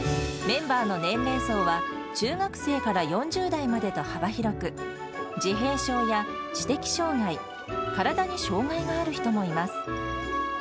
メンバーの年齢層は、中学生から４０代までと幅広く、自閉症や知的障がい、体に障がいがある人もいます。